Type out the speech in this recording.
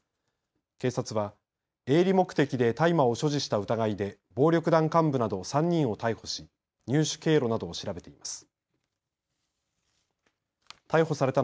警察は営利目的で大麻を所持した疑いで暴力団幹部など３人を逮捕し入手経路などを調べています。